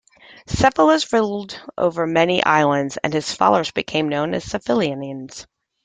Cephalus ruled over many islands, and his followers became known as Cephallenians.